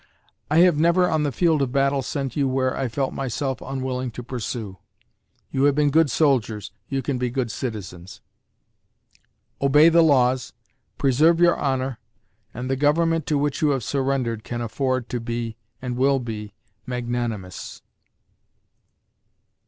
I have never on the field of battle sent you where I felt myself unwilling to pursue. You have been good soldiers, you can be good citizens. Obey the laws, preserve your honor, and the government to which you have surrendered can afford to be and will be magnanimous.